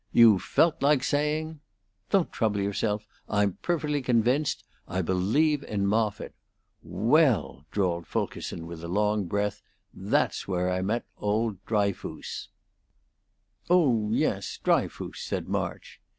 You felt like saying: "'Don't trouble yourself; I'm perfectly convinced. I believe in Moffitt.' We e e ll!" drawled Fulkerson, with a long breath, "that's where I met old Dryfoos." "Oh yes! Dryfoos," said March.